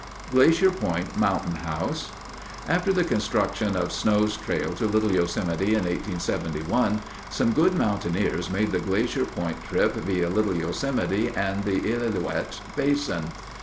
Glacier Point Mountain House After the construction of Snow's trail to Little Yosemite in 1871, some good mountaineers made the Glacier Point trip via Little Yosemite and the Illilouette basin.